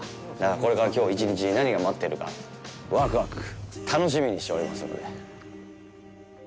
これからきょう１日、何が待ってるかわくわく楽しみにしておりますので。